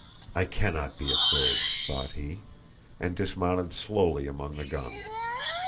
"I cannot be afraid," thought he, and dismounted slowly among the guns.